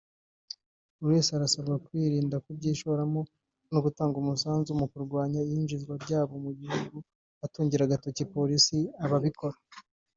Buri wese arasabwa kwirinda kubyishoramo no gutanga umusanzu mu kurwanya iyinjizwa ryabyo mu gihugu atungira agatoki Polisi ababikora